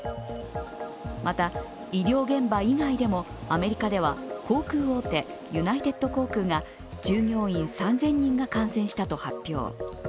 また医療現場以外でもアメリカでは航空大手、ユナイテッド航空が従業員３０００人が感染したと発表。